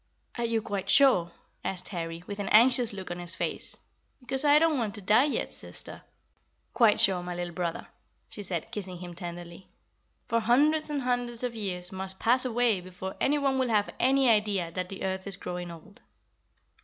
"Are you quite sure?" asked Harry, with an anxious look on his face; "because I don't want to die yet, sister." "Quite sure, my little brother," she said, kissing him tenderly; "for hundreds and hundreds of years must pass away before anyone will have any idea that the earth is growing old."